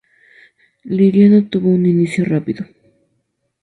Liriano tuvo un inicio rápido.